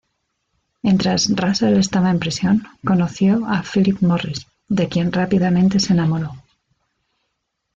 Mientras Russell estaba en prisión, conoció a Phillip Morris, de quien rápidamente se enamoró.